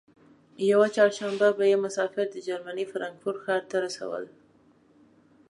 یوه چهارشنبه به یې مسافر د جرمني فرانکفورت ښار ته رسول.